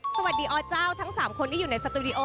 สวัสดีอเจ้าทั้ง๓คนที่อยู่ในสตูดิโอ